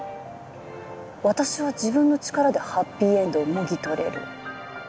私は自分の力でハッピーエンドをもぎ取れる。